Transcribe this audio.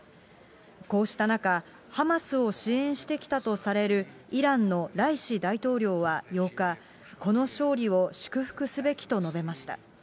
こうした中、ハマスを支援してきたとされるイランのライシ大統領は８日、この勝利を祝福すべきと述べました。